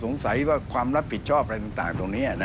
สงสัยว่าความรับผิดชอบอะไรต่างตรงนี้